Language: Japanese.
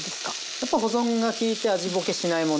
やっぱ保存が利いて味ぼけしないもの。